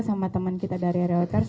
sama teman kita dari reuters